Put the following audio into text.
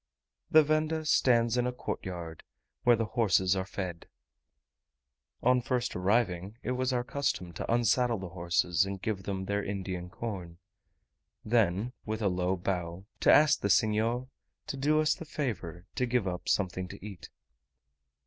The venda stands in a courtyard, where the horses are fed. On first arriving it was our custom to unsaddle the horses and give them their Indian corn; then, with a low bow, to ask the senhor to do us the favour to give up something to eat.